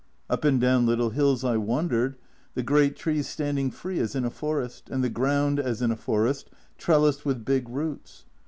Up and down little hills I wandered, the great trees standing free as in a forest, and the ground, as in a forest, trellised with big roots.